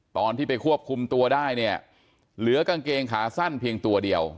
ตอนที่ไปควบคุมตัวได้เนี่ยเหลือกางเกงขาสั้นเพียงตัวเดียว